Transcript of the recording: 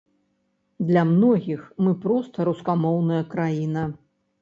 Для многіх мы проста рускамоўная краіна.